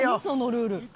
そのルール。